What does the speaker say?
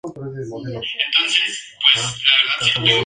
Dentro del juramento se encuentra el juramento personal de carácter privado.